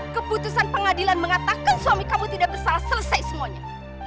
keputusan pengadilan mengatakan suami kamu tidak bersalah selesai semuanya